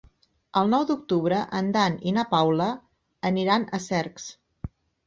El nou d'octubre en Dan i na Paula aniran a Cercs.